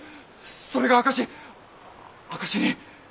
それが証し証しに！